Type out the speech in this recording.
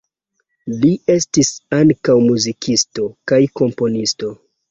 Li estis ankaŭ muzikisto kaj komponisto.